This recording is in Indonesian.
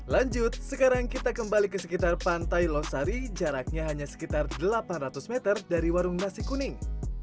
lanjut sekarang kita kembali ke sekitar pantai losari jaraknya hanya sekitar delapan ratus meter dari warung nasi kuning